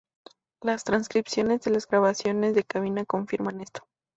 Las transcripciones de las grabaciones de cabina confirman esto.